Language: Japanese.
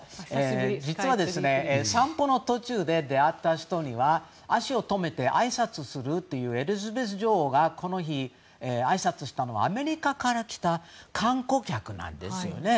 実は散歩の途中で出会った人には足を止めてあいさつするというエリザベス女王がこの日、あいさつしたのがアメリカから来た観光客なんですね。